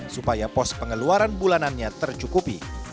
supaya pos pengeluaran bulanannya tercukupi